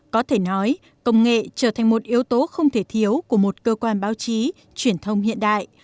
có thể nói công nghệ trở thành một yếu tố không thể thiếu của một cơ quan báo chí truyền thông hiện đại